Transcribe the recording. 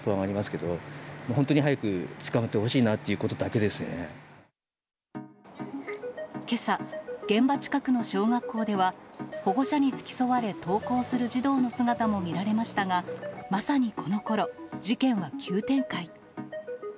けさ、現場近くの小学校では、保護者に付き添われ、登校する児童の姿も見られましたが、まさにこのころ、事件は急展開。